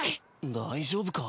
大丈夫か？